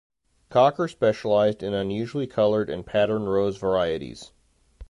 Cocker specialised in unusually coloured and patterned rose varieties.